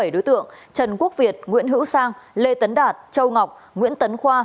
bảy đối tượng trần quốc việt nguyễn hữu sang lê tấn đạt châu ngọc nguyễn tấn khoa